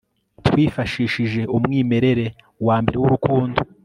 Twifashishije umwimerere wambere wurukundo